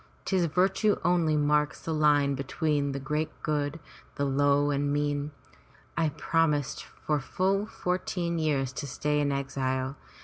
'Tis virtue only marks the line between the great and good, the low and mean. I promised for full fourteen years to stay in exile.